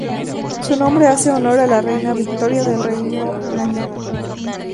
Su nombre hace honor a la reina Victoria del Reino Unido.